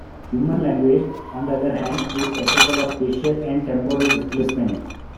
Human language, on the other hand, is capable of spatial and temporal displacement.